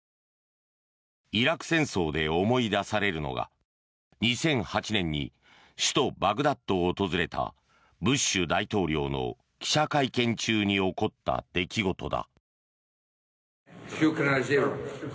イラク戦争で思い出されるのが２００８年に首都バグダッドを訪れたブッシュ大統領の記者会見中に起こった出来事だ。